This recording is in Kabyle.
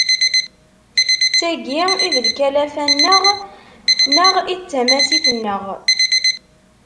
D tagi i d lkalafa-nneɣ neɣ i d tamasit-nneɣ.